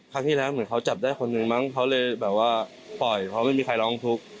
ครั้งที่แล้วเหมือนเขาจับได้คนนึงมั้งเขาเลยแบบว่าปล่อยเพราะไม่มีใครร้องทุกข์